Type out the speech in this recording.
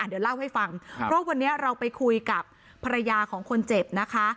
เดี๋ยวเล่าให้ฟังเพราะวันนี้เราไปคุยกับภรรยาของคนเจ็บนะคะ